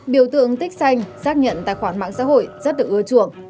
biểu tượng tích xanh xác nhận tài khoản mạng xã hội rất được ưa chuộng